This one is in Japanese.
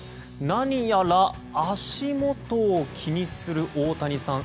何やら足元を気にする大谷さん。